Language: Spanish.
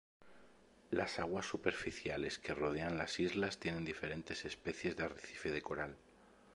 Las aguas superficiales que rodean las islas tienen diferentes especies de arrecife de coral.